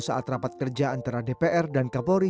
saat rapat kerja antara dpr dan kapolri